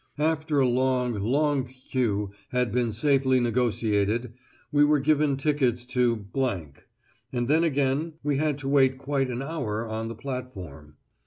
After a long, long queue had been safely negociated we were given tickets to ; and then again we had to wait quite an hour on the platform.